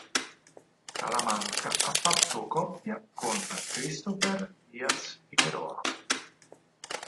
Salamanca ha fatto coppia con Christopher Diaz-Figueroa.